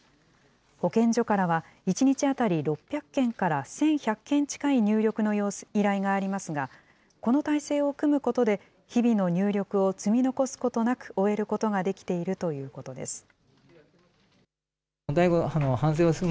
保健所からは、１日当たり６００件から１１００件近い入力の依頼がありますが、この体制を組むことで、日々の入力を積み残すことなく終えることができているということです。